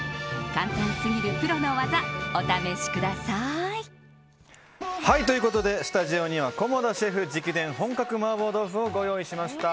簡単すぎるプロの技お試しください！ということで、スタジオには菰田シェフ直伝、本格麻婆豆腐をご用意しました。